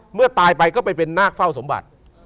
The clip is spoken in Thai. เมื่อตายไปก็ไปเป็นนาคเฝ้าสมบัติ